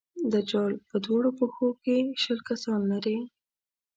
دجال په دواړو پښو کې شل کسان لري.